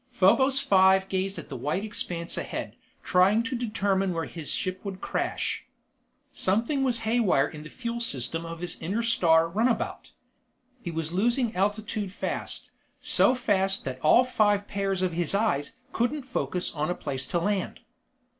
_ Probos Five gazed at the white expanse ahead, trying to determine where his ship would crash. Something was haywire in the fuel system of his Interstar Runabout. He was losing altitude fast, so fast that all five pairs of his eyes couldn't focus on a place to land.